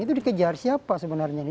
itu dikejar siapa sebenarnya ini